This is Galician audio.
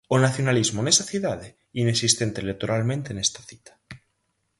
O nacionalismo nesa cidade, inexistente electoralmente nesta cita.